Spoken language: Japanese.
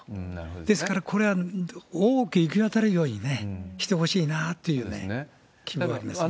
ですから、これは多く行き渡るようにしてほしいなというふうな気はありますね。